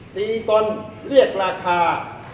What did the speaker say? ตีตนเรียกราคา